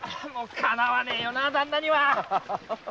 かなわねえよな旦那には。